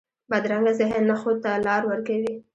بدرنګه ذهن نه ښو ته لار ورکوي